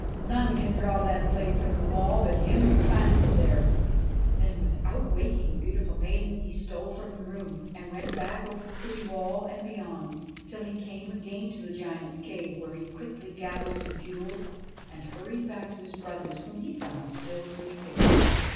' None can draw that blade from the wall but him who planted it there I ' Then, without waking the beautiful maiden, he stole from the room and went back over the city wall, and beyond, till he came again to the giants' cave, where he quickly gathered some fuel and hurried back to his brothers, whom he found still sleeping.